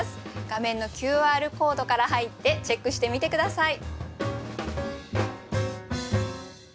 画面のＱＲコードから入ってチェックしてみて下さい。